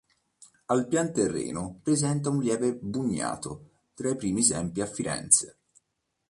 Al piano terreno presenta un lieve bugnato, tra i primi esempi a Firenze.